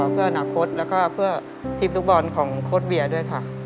เพื่ออนาคตแล้วก็เพื่อทีมฟุตบอลของโค้ดเวียด้วยค่ะ